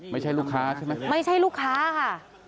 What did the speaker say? ไม่ใช่ลูกค้าใช่ไหมไม่ใช่ลูกค้าค่ะ